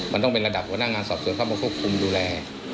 มันต้องเป็นระดับหัวหน้างานสอบส่วนเข้ามาควบคุมดูแล